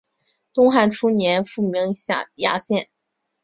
东汉初年复名衙县。